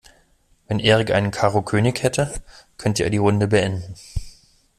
Wenn Erik einen Karo-König hätte, könnte er die Runde beenden.